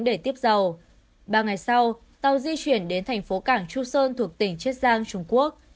để tiếp dầu ba ngày sau tàu di chuyển đến thành phố cảng chu sơn thuộc tỉnh chiết giang trung quốc